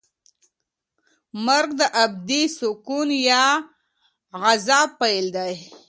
مرګ د ابدي سکون یا عذاب پیل دی.